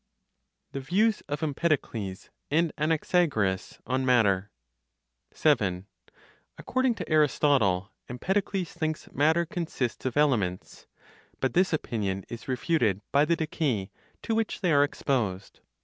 THE VIEWS OF EMPEDOCLES AND ANAXAGORAS ON MATTER. 7. (According to Aristotle), Empedocles thinks matter consists of elements; but this opinion is refuted by the decay to which they are exposed.